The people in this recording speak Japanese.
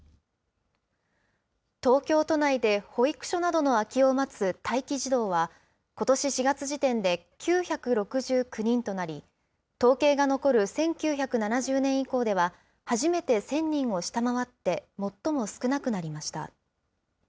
東京都内で保育所などの空きを待つ待機児童は、ことし４月時点で９６９人となり、統計が残る１９７０年以降では、初めて１０００人を下回って最も少なくなりました。